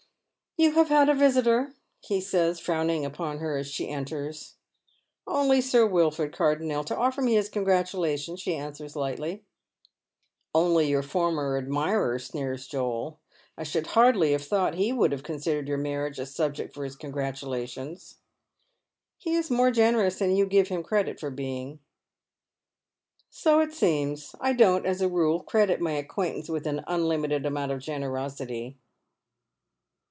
*' You have had a visitor," be eays, frowning upon her as she enters. 286 Dead Men's Shoes. " Only Sir V/ilford Cardonnel, to ofEer me his congratulations," ehe answers, lightly. " Only your former admirer," sneers Joel. " I should hardly have thought he would have considered your mamage a subject for his congratulations." •' He is more generous than you give him credit for being." " So it seems. I don't, as a rule, credit my acquaintance with an unlimited amount of generosity."